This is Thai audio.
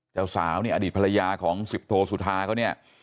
เจ้าสาวนี่อดีตภรรยาของสิบโทสุธาเขาเนี่ย